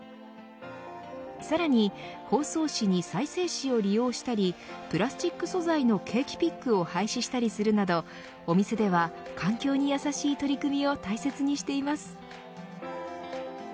さらに、包装紙に再生紙を利用したりプラスチック素材のケーキピックを廃止したりするなどお店では環境にやさしい取り組みを大切にしています。